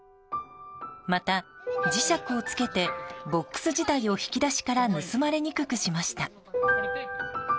また、磁石をつけてボックス自体を引き出しから盗まれにくくしました。